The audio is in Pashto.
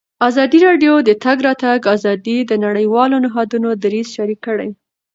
ازادي راډیو د د تګ راتګ ازادي د نړیوالو نهادونو دریځ شریک کړی.